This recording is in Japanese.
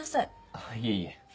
あぁいえいえ。